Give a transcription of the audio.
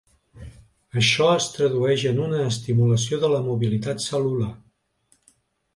Això es tradueix en una estimulació de la mobilitat cel·lular.